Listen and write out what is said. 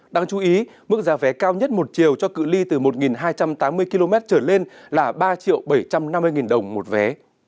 đáng chú ý mức giá vé cao nhất một chiều cho cự li từ một hai trăm tám mươi km trở lên là ba bảy trăm năm mươi đồng một vé